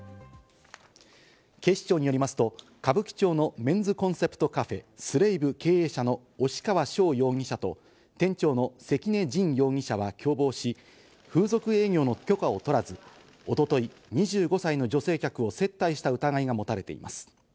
警視庁によりますと、歌舞伎町のメンズコンセプトカフェ・Ｓｌａｖｅ経営者の押川翔容疑者と店長の関根心容疑者は共謀し、風俗営業の許可を取らず、おととい、２５歳の女性客を接待した疑いが持たれています。